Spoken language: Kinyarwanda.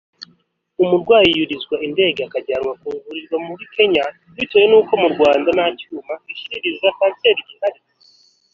umurwayi yurizwa indege akajya kuvurirwa muri Kenya bitewe n’ uko mu Rwanda nta cyuma gishiririza kanseri gihari